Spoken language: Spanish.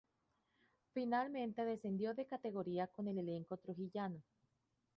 Finalmente descendió de categoría con el elenco trujillano.